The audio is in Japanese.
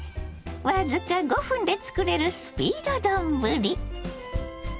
僅か５分で作れるスピード丼。